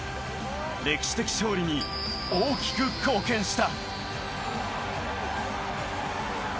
歴史的勝利に大きく貢献した。